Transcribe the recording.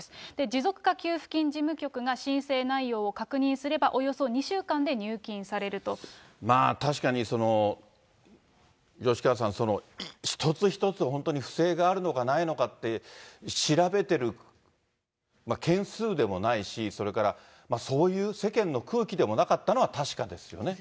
持続化給付金事務局が申請内容を確認すれば、まあ、確かに吉川さん、一つ一つ本当に不正があるのかないのかって調べてる、件数でもないし、それからそういう世間の空気でもなかったのは確かですよね。